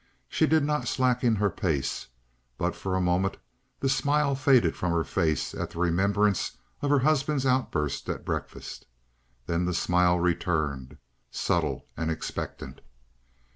She did not slacken her pace, but for a moment the smile faded from her face at the remembrance of her husband's outburst at breakfast. Then the smile returned, subtile and expectant.